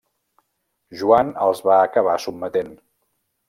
Joan els va acabar sotmetent.